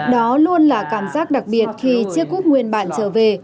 đó luôn là cảm giác đặc biệt khi chiếc cúp nguyên bản trở về